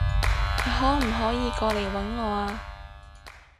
你可唔可以過嚟搵我啊？